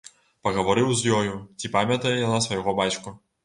Пагаварыў з ёю, ці памятае яна свайго бацьку.